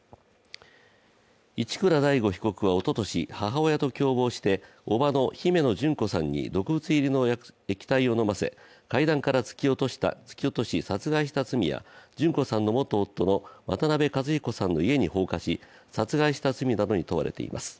一倉大悟被告はおととし、母親と共謀しておばの姫野旬子さんに毒物入りの液体を飲ませ階段から突き落とし、殺害した罪や旬子さんの元夫の渡辺和彦さんの家に放火し殺害した罪などに問われています。